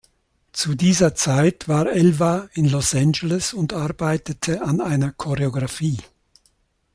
Zu dieser Zeit war Elva in Los Angeles und arbeitete an einer Choreografie.